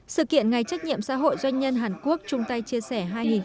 sự kiện ngày trách nhiệm xã hội doanh nhân hàn quốc chung tay chia sẻ hai nghìn hai mươi